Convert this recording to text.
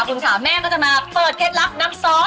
คุณค่ะแม่ก็จะมาเปิดเคล็ดลับน้ำซอส